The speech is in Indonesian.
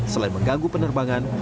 selain mengganggu penerbangan